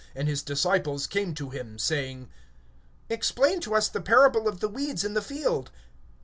And his disciples came to him, saying: Explain to us the parable of the darnel of the field.